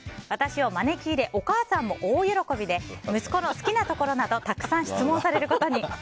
私を招き入れお母さんも大喜びで息子の好きなところなどたくさん質問されることに。